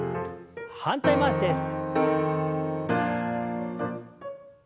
反対回しです。